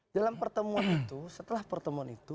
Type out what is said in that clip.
dalam pertemuan itu setelah pertemuan itu